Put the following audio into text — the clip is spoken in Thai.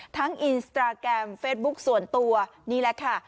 อินสตราแกรมเฟสบุ๊คส่วนตัวนี่แหละค่ะ